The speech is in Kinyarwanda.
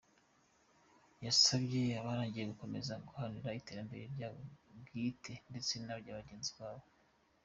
Yasabye abarangije gukomeza guharanira iterambere ryabo bwite ndetse n’irya bagenzi babo.